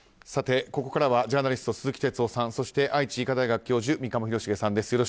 ここからはジャーナリスト、鈴木哲夫さんそして愛知医科大学教授三鴨廣繁さんです。